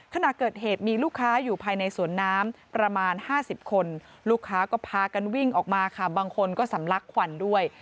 ขณะเกิดเหตุมีลูกค้าอยู่ภายในสวนน้ำประมาณ๕๐คนลูกค้าก็พากันวิ่งออกมาค่ะบางคนก็สำลักควันด้วย